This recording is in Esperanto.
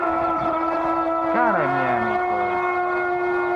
Karaj Miaj Amikoj!